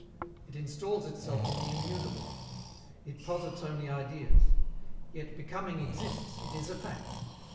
It installs itself in the immutable, it posits only Ideas. Yet becoming exists: it is a fact.